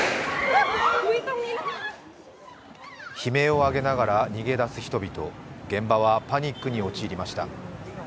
悲鳴を上げながら逃げ出す人々、現場はパニックに陥りました。